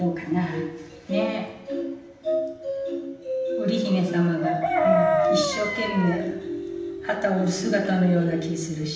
織姫様が一生懸命機を織る姿のような気するし。